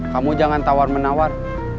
kamu jangan tawar menawar